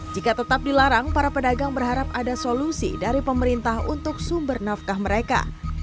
jika tetap dilarang para pedagang berharap ada solusi dari pemerintah untuk sumber nafkah mereka